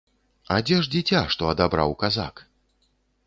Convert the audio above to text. А дзе ж дзіця, што адабраў казак?